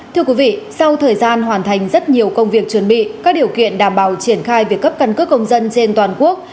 thưa quý vị sau thời gian hoàn thành rất nhiều công việc chuẩn bị các điều kiện đảm bảo triển khai việc cấp căn cước công dân trên toàn quốc